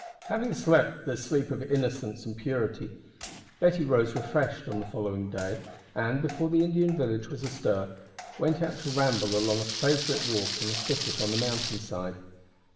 Having slept the sleep of innocence and purity, Betty rose refreshed on the following day, and, before the Indian village was astir, went out to ramble along a favourite walk in a thicket on the mountain side.